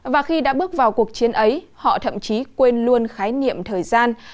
và khi đã bước vào cuộc chiến ấy họ thậm chí quên luôn khái niệm thời gian